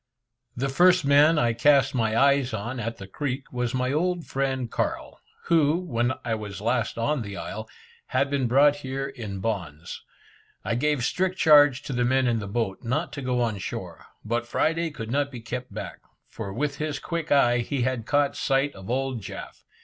The first man I cast my eyes on at the creek, was my old friend Carl, who, when I was last on the isle, had been brought here in bonds. I gave strict charge to the men in the boat not to go on shore, but Friday could not be kept back, for with his quick eye he had caught sight of old Jaf.